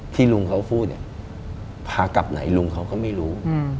ที่ลุงเขาพูดพากลับไหนลุงเขาก็ไม่รู้